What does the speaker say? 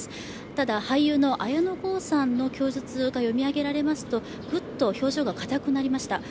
ただ、俳優の綾野剛さんの供述が読み上げられますとぐっと表情が硬くなりました。